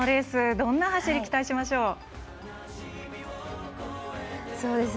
どんな走り期待しましょう。